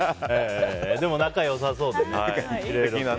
でも、仲良さそうでね。